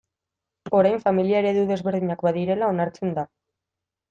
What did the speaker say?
Orain familia eredu desberdinak badirela onartzen da.